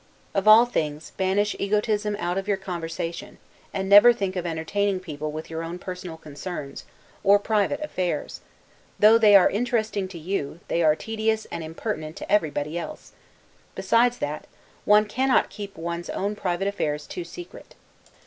Of all things, banish the egotism out of your conversation, and never think of entertaining people with your own personal concerns, or private, affairs; though they are interesting to you, they are tedious and impertinent to everybody else; besides that, one cannot keep one's own private affairs too secret.